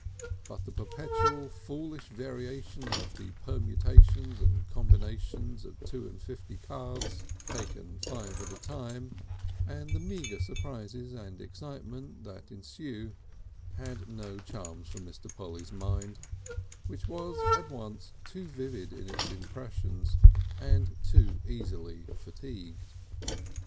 But the perpetual foolish variation of the permutations and combinations of two and fifty cards taken five at a time, and the meagre surprises and excitements that ensue had no charms for Mr. Polly's mind, which was at once too vivid in its impressions and too easily fatigued.